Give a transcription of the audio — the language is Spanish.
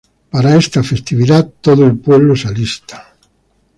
Para esta festividad, todo el pueblo se alista.